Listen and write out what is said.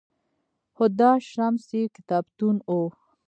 هُدا شمس یې کتابتون و